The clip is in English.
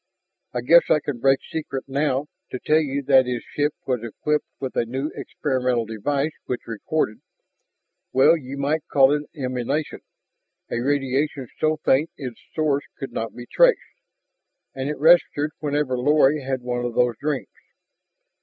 I guess I can break secret now to tell you that his ship was equipped with a new experimental device which recorded well, you might call it an "emanation" a radiation so faint its source could not be traced. And it registered whenever Lorry had one of those dreams.